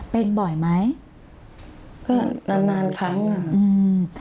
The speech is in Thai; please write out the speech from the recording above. เป็นบ่อยไหมก็นานนานครั้งอ่ะอืม